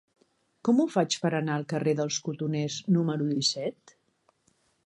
Com ho faig per anar al carrer dels Cotoners número disset?